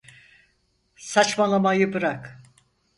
Saçmalamayı bırak!